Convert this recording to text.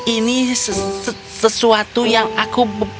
ini sesuatu yang aku